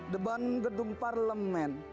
deban gedung parlemen